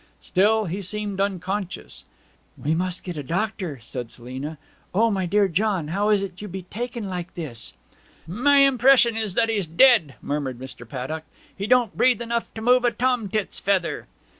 Still he seemed unconscious. 'We must get a doctor,' said Selina. 'O, my dear John, how is it you be taken like this?' 'My impression is that he's dead!' murmured Mr. Paddock. 'He don't breathe enough to move a tomtit's feather.'